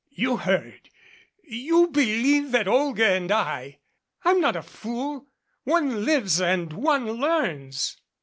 "You heard. You believe that Olga and I " "I'm not a fool. One lives and one learns."